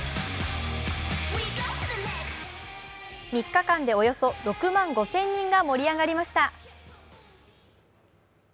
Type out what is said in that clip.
３日間でおよそ６万５０００人が盛り上がりました。